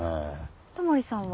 タモリさんは？